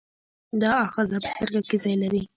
دا آخذه په سترګه کې ځای لري.